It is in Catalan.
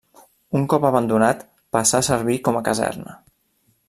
Un cop abandonat, passà a servir com a caserna.